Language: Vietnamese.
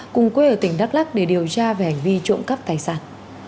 cùng quê ở tỉnh đắk lắc để điều tra về hành vi trộm cắp tài sản